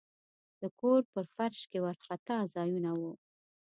د کور په فرش کې وارخطا ځایونه وو.